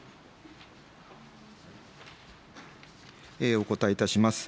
お答えいたします。